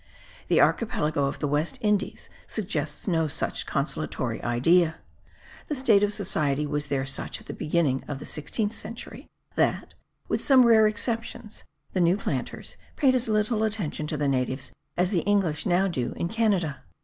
The archipelago of the West Indies suggests no such consolatory idea. The state of society was there such, at the beginning of the sixteenth century, that, with some rare exceptions, the new planters paid as little attention to the natives as the English now do in Canada.